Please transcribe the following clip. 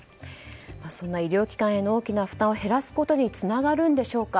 そんな医療機関への大きな負担を減らすことにつながるんでしょうか。